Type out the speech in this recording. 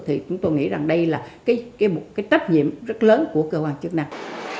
thì chúng tôi nghĩ rằng đây là cái tác nhiệm rất lớn của cơ quan chức năng